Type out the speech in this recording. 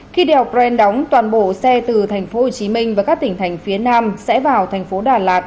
khi đèo brand đóng toàn bộ xe từ thành phố hồ chí minh và các tỉnh thành phía nam sẽ vào thành phố đà lạt